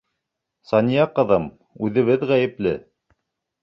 Сания ҡыҙым, үҙебеҙ ғәйепле.